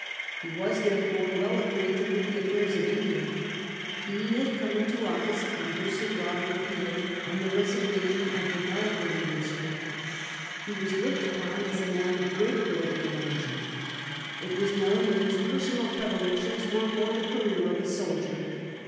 He was therefore well acquainted with the affairs of India. He had come into office under Sir Robert Peel on the resignation of the Melbourne 1842. LORD ELLENBOROUGH. 261 Ministry. He was looked upon as a man of great ability and energy. It was known that bis personal predilections were for the career of a soldier.